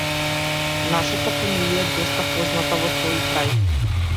Нашата фамилија е доста позната во тој крај.